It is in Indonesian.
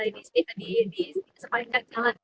di setiap jalan